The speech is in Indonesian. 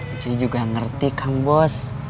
istri juga ngerti kang bos